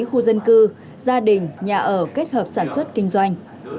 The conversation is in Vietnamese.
khu dân cư gia đình nhà ở kết hợp sản xuất kinh doanh